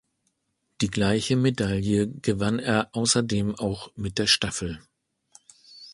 Die gleiche Medaille gewann er außerdem auch mit der Staffel.